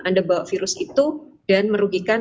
anda bawa virus itu dan merugikan